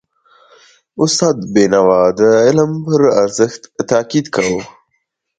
استاد بینوا د علم پر ارزښت تاکید کاوه.